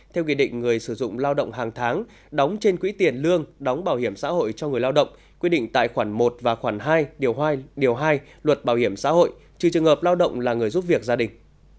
theo quy định người sử dụng lao động hàng tháng đóng trên quỹ tiền lương đóng bảo hiểm xã hội cho người lao động quy định tại khoản một và khoản hai điều hai luật bảo hiểm xã hội trừ trường hợp lao động là người giúp việc gia đình